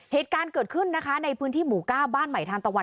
เหตุการณ์เกิดขึ้นนะคะในพื้นที่หมู่ก้าวบ้านใหม่ทานตะวัน